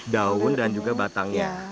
daun dan juga batangnya